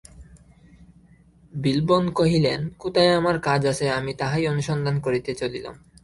বিল্বন কহিলেন, কোথায় আমার কাজ আছে আমি তাহাই অনুসন্ধান করিতে চলিলাম।